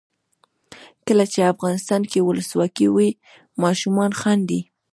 کله چې افغانستان کې ولسواکي وي ماشومان خاندي.